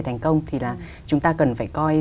thành công thì là chúng ta cần phải coi